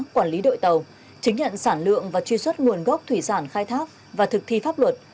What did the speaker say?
quản lý đội tàu chứng nhận sản lượng và truy xuất nguồn gốc thủy sản khai thác và thực thi pháp luật